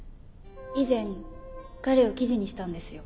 以前彼を記事にしたんですよ。